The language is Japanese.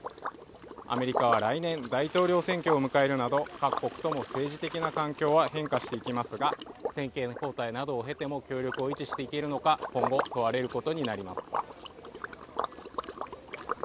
アメリカは来年大統領選挙を迎えるなど各国とも政治的な環境は変化していきますが政権交代などを経ても協力していけるのか今後、問われることになります。